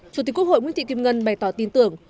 chủ tịch quốc hội nguyễn thị kim ngân bày tỏ tin tưởng